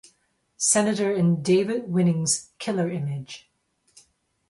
Senator in David Winning's "Killer Image".